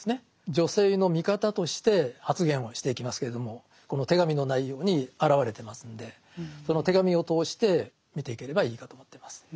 女性の味方として発言をしていきますけれどもこの手紙の内容に表れてますんでその手紙を通して見ていければいいかと思ってます。